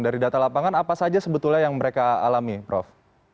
dari data lapangan apa saja sebetulnya yang mereka alami prof